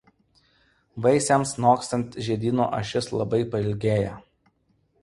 Vaisiams nokstant žiedyno ašis labai pailgėja.